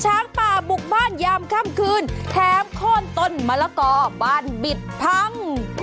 ช้างป่าบุกบ้านยามค่ำคืนแถมโค้นต้นมะละกอบ้านบิดพัง